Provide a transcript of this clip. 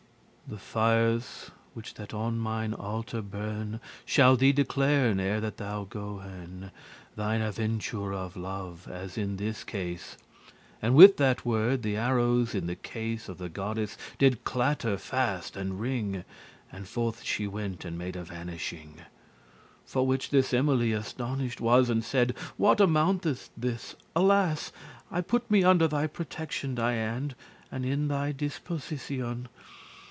The fires which that on mine altar brenn*, *burn Shall thee declaren, ere that thou go henne*, *hence Thine aventure of love, as in this case." And with that word, the arrows in the case* *quiver Of the goddess did clatter fast and ring, And forth she went, and made a vanishing, For which this Emily astonied was, And saide; "What amounteth this, alas! I put me under thy protection, Diane, and in thy disposition."